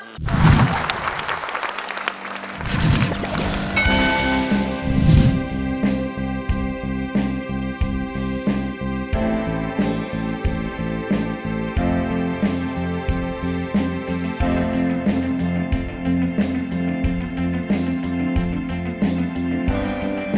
ทรีย์